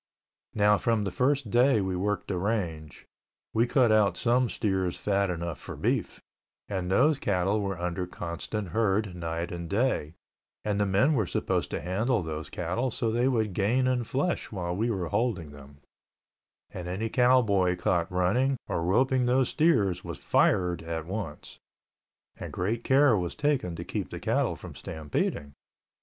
Now from the first day we worked the range, we cut out some steers fat enough for beef, and those cattle were under constant herd night and day, and the men were supposed to handle those cattle so they would gain in flesh while we were holding them—and any cowboy caught running or roping those steers was fired at once—and great care was taken to keep the cattle from stampeding.